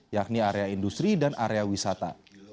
yakni area industri dan area wisata